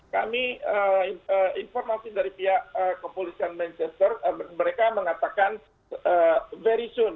kami informasi dari pihak kepolisian manchester mereka mengatakan very zone